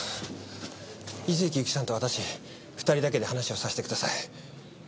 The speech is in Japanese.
井関ゆきさんと私２人だけで話をさせてください。